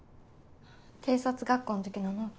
警察学校の時のノート？